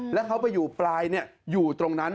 แล้วเขาไปอยู่ปลายอยู่ตรงนั้น